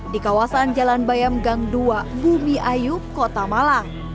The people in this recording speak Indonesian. di kawasan jalan bayam gang dua bumi ayu kota malang